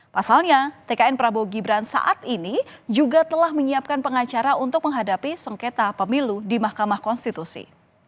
pasalnya tkn prabowo gibran saat ini juga telah menyiapkan pengacara untuk menghadapi sengketa pemilu di mahkamah konstitusi